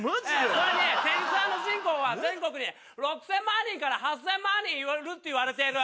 それにテニサーの人口は全国に６０００万人から８０００万人いるっていわれてる。